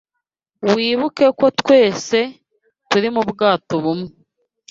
Wibuke ko twese turi mubwato bumwe.